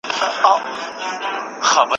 چی د ژوند مو هر گړی راته ناورین سی